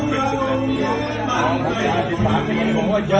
มันยังคิดถึงเธอ